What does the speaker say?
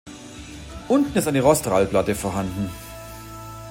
Unten ist eine Rostral-Platte vorhanden.